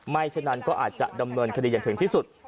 ฉะนั้นก็อาจจะดำเนินคดีอย่างถึงที่สุด